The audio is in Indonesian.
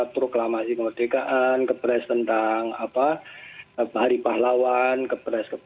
proklamasi kemerdekaan kepres tentang hari pahlawan kepres kepres